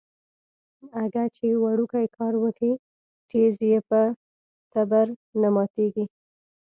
اگه چې وړوکی کار وکي ټيز يې په تبر نه ماتېږي.